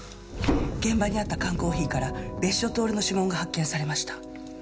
現場にあった缶コーヒーから別所透の指紋が発見されました。